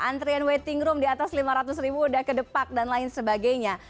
antrian waiting room di atas lima ratus ribu udah kedepak dan lain sebagainya